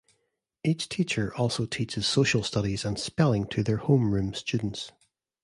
Each teacher also teaches social studies and spelling to their homeroom students.